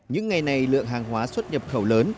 những ngày này lượng hàng hóa xuất nhập khẩu lớn